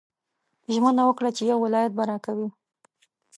ژمنه وکړه چې یو ولایت به راکوې.